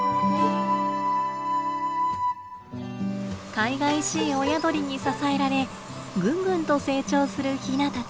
かいがいしい親鳥に支えられぐんぐんと成長するヒナたち。